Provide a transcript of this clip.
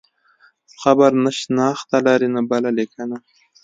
قبر نه شنخته لري نه بله لیکنه.